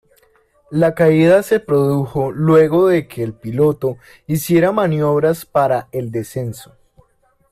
La caída se produjo luego de que el piloto hiciera maniobras para el descenso.